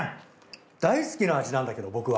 大好きな味なんだけど僕は。